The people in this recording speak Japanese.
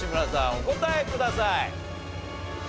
お答えください。